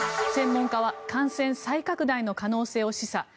専門家は感染再拡大の可能性を示唆。